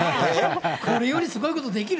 これよりすごいことできる？